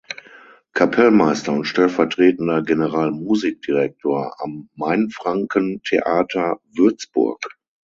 Kapellmeister und stellvertretender Generalmusikdirektor am Mainfranken Theater Würzburg.